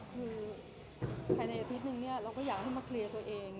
คือภายในอาทิตย์นึงเนี่ยเราก็อยากให้มาเคลียร์ตัวเอง